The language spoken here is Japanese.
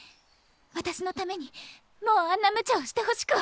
私のためにもうあんなむちゃをしてほしくは。